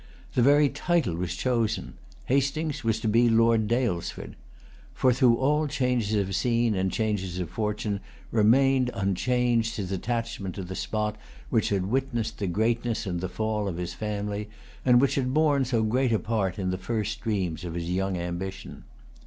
The very title was chosen. Hastings was to be Lord Daylesford. For, through all changes of scene and changes of fortune, remained unchanged his attachment to the spot which had witnessed the greatness and the fall of his family, and which had borne so great a part in the first dreams of his young ambition.